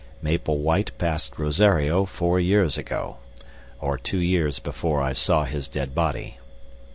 Maple White passed Rosario four years ago, or two years before I saw his dead body.